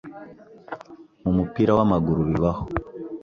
mu mupira w'amaguru bibaho